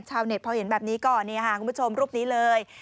ชาวเน็ตพอเห็นแบบนี้ก่อนเนี่ยฮะคุณผู้ชมรูปนี้เลย